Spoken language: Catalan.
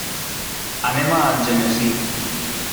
Anem a Algemesí.